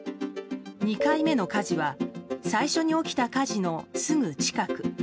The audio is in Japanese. ２回目の火事は最初に起きた火事のすぐ近く。